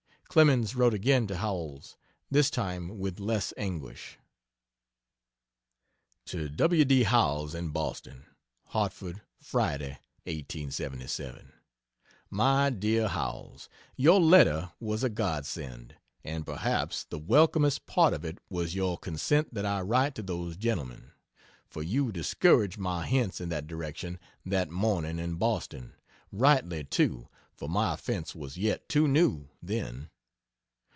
Clemens wrote again to Howells, this time with less anguish. To W. D. Howells, in Boston: HARTFORD, Friday, 1877. MY DEAR HOWELLS, Your letter was a godsend; and perhaps the welcomest part of it was your consent that I write to those gentlemen; for you discouraged my hints in that direction that morning in Boston rightly, too, for my offense was yet too new, then.